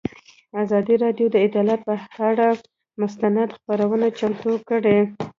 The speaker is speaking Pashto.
ازادي راډیو د عدالت پر اړه مستند خپرونه چمتو کړې.